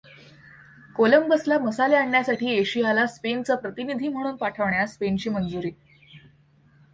कोलंबसला मसाले आणण्यासाठी एशियाला स्पेनचा प्रतिनिधी म्हणून पाठवण्यास स्पेनची मंजूरी.